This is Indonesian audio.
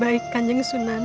baik kanjeng sunan